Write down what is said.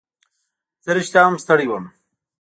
زه رښتیا هم ستړی وم.